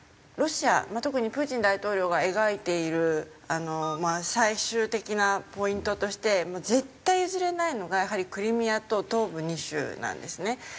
ロシア特にプーチン大統領が描いている最終的なポイントとしてもう絶対譲れないのがやはりクリミアと東部２州なんですね。